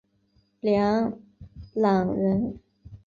梁览人。